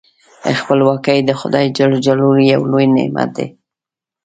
خپلواکي د خدای جل جلاله یو لوی نعمت دی.